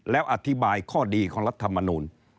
แล้วอธิบายข้อดีของรัฐมนูล